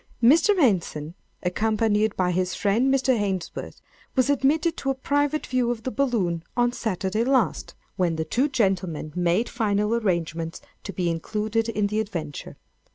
Mr. Henson, accompanied by his friend Mr. Ainsworth, was admitted to a private view of the balloon, on Saturday last—when the two gentlemen made final arrangements to be included in the adventure.